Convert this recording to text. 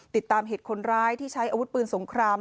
ติดตามเหตุคนร้ายที่ใช้อาวุธปืนสงคราม